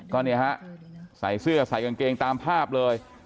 ก็เนี่ยฮะใส่เสื้อใส่กางเกงตามภาพเลย